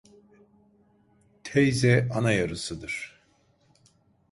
Teyze, ana yarısıdır.